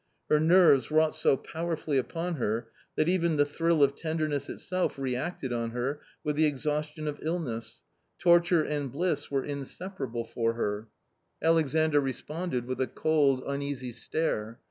Her nerves wrought so powerfully upon her that even the thrill of tenderness itself reacted on her with the exhaustion of illness ; torture and bliss were inseparable for her. A COMMON STORY 185 Alexandr responded with a cold uneasy stare.